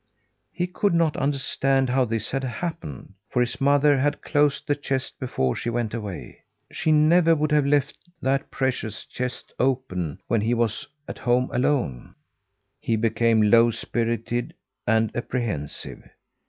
He could not understand how this had happened, for his mother had closed the chest before she went away. She never would have left that precious chest open when he was at home, alone. He became low spirited and apprehensive.